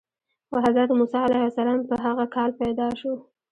خو حضرت موسی علیه السلام په هغه کال پیدا شو.